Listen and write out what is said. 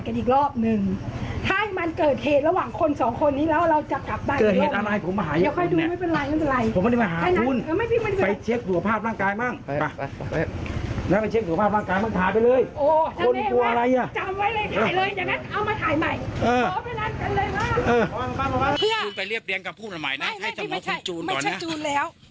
ไปเรียบเรียนกับผู้ประหมายนะให้จำว่าคุณจูนตอนเนี้ยไม่ใช่จูนแล้ว